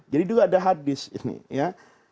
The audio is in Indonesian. jadi dulu ada hadis ini ya